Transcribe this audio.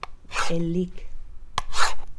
El lic.